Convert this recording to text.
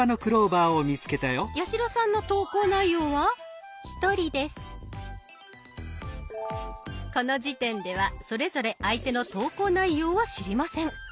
八代さんの投稿内容はこの時点ではそれぞれ相手の投稿内容は知りません。